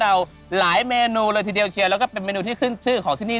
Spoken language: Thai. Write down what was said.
หลายเมนูเลยทีเดียวเชียวแล้วก็เป็นเมนูที่ขึ้นชื่อของที่นี่